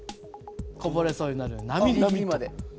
こぼれそうになるなみなみまで。